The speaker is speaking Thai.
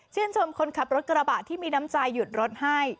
ชมคนขับรถกระบะที่มีน้ำใจหยุดรถให้